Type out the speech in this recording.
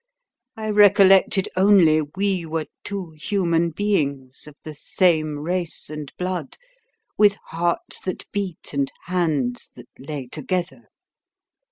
I recollected only we were two human beings, of the same race and blood, with hearts that beat and hands that lay together.